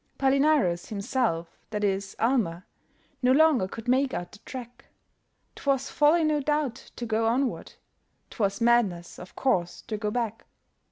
Palinurus himself that is Almer No longer could make out the track; 'Twas folly, no doubt, to go onward; 'Twas madness, of course, to go back.